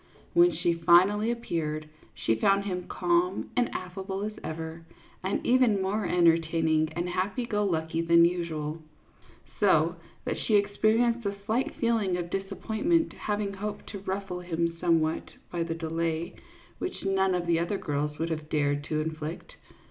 When she finally appeared, she found him calm and affable as ever, and even more entertaining and happy go lucky than usual, so that she experienced a slight feeling of disappointment, having hoped to ruffle him somewhat by the delay, which none of 38 CLYDE MOORFIELD, YACHTSMAN. the other girls would have dared to inflict.